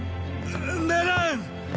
ならん！